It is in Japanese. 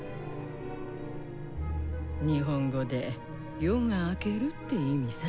日本語で「夜が明ける」って意味さ。